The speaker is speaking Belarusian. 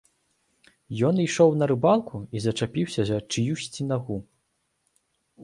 Ён ішоў на рыбалку і зачапіўся за чыюсьці нагу.